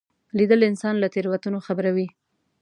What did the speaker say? لیدل انسان له تېروتنو خبروي